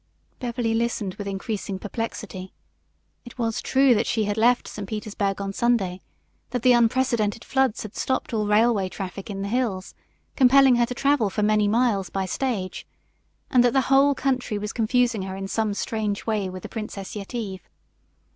Beverly listened with increasing perplexity. It was true that she had left St. Petersburg on Sunday; that the unprecedented floods had stopped all railway traffic in the hills, compelling her to travel for many miles by stage, and that the whole country was confusing her in some strange way with the Princess Yetive.